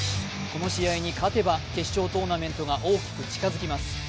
この試合に勝てば決勝トーナメントが大きく近づきます。